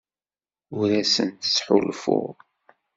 Ur asent-ttḥulfuɣ.